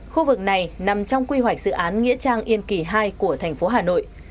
khu vực này nằm trong quy hoạch dự án nghĩa trang yên kỳ hai của thành phố hà nội